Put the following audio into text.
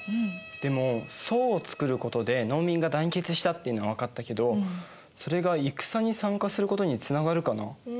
でも惣を作ることで農民が団結したっていうのは分かったけどそれが戦に参加することにつながるかな？